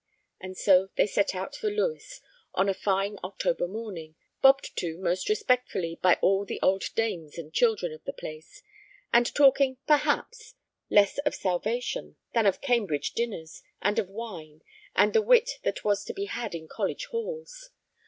And so they set out for Lewes on a fine October morning, bobbed to most respectfully by all the old dames and children of the place, and talking perhaps less of salvation than of Cambridge dinners and of wine and the wit that was to be had in college halls.